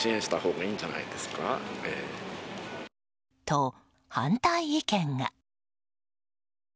と、反対意見が。